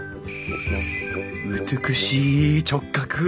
美しい直角。